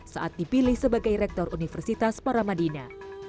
saat dipilih sebagai rektor universitas paramadina